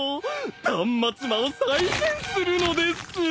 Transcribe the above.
断末魔を再現するのです！